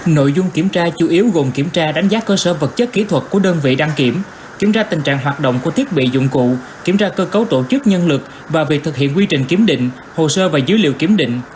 nội dung kiểm tra chủ yếu gồm kiểm tra đánh giá cơ sở vật chất kỹ thuật của đơn vị đăng kiểm kiểm tra tình trạng hoạt động của thiết bị dụng cụ kiểm tra cơ cấu tổ chức nhân lực và việc thực hiện quy trình kiểm định hồ sơ và dữ liệu kiểm định